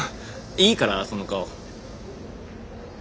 いいからその顔。